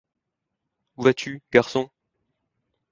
Où vas-tu, garçon?